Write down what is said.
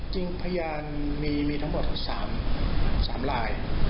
พยานมีทั้งหมด๓ลาย